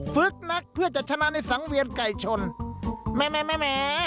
ฝึกนักเพื่อจะชนะในสังเวียนไก่ชนแม่แม่